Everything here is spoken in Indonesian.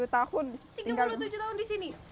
tiga puluh tujuh tahun di sini